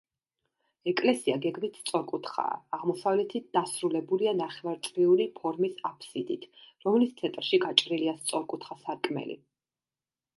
ეკლესია გეგმით სწორკუთხაა, აღმოსავლეთით დასრულებულია ნახევარწრიული ფორმის აბსიდით, რომლის ცენტრში გაჭრილია სწორკუთხა სარკმელი.